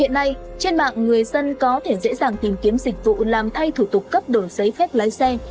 hiện nay trên mạng người dân có thể dễ dàng tìm kiếm dịch vụ làm thay thủ tục cấp đổi giấy phép lái xe